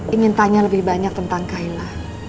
ingin tanya lebih banyak tentang kaila